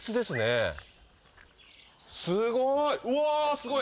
すごい！